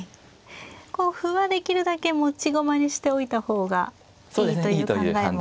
こう歩はできるだけ持ち駒にしておいた方がいいという考えもありますか。